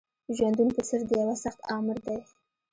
ژوندون په څېر د یوه سخت آمر دی